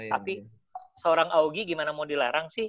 tapi seorang augie gimana mau dilarang sih